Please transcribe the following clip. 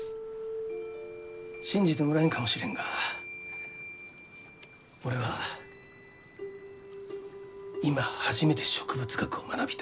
信じてもらえんかもしれんが俺は今初めて植物学を学びたいと。